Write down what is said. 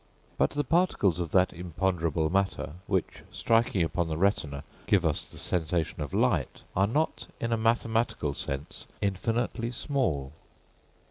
But the particles of that imponderable matter, which, striking upon the retina, give us the sensation of light, are not in a mathematical sense infinitely small.